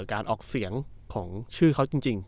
การออกเสียงของชื่อเขาจริง